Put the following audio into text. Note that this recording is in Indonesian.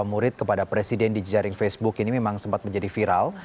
murid kepada presiden di jaring facebook ini memang sempat menjadi viral